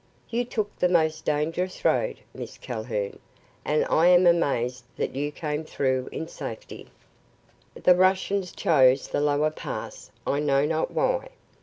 You took the most dangerous road, Miss Calhoun, and I am amazed that you came through in safety." "The Russians chose the lower pass, I know not why.